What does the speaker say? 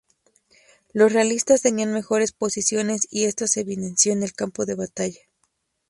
Los realistas tenían mejores posiciones y esto se evidenció en el campo de batalla.